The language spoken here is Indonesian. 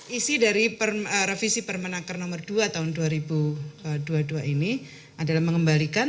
isi dari revisi permenaker nomor dua tahun dua ribu dua puluh dua ini adalah mengembalikan